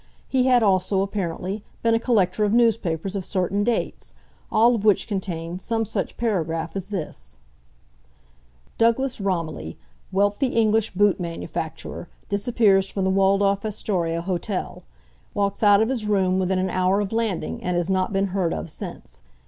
He had also, apparently, been a collector of newspapers of certain dates, all of which contained some such paragraph as this: DOUGLAS ROMILLY, WEALTHY ENGLISH BOOT MANUFACTURER, DISAPPEARS FROM THE WALDORF ASTORIA HOTEL. WALKS OUT OF HIS ROOM WITHIN AN HOUR OF LANDING AND HAS NOT BEEN HEARD OF SINCE.